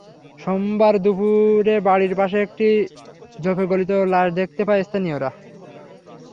সোমবার দুপুরে বাড়ির পাশে একটি ঝোপে গলিত লাশ দেখতে পায় স্থানীয়রা।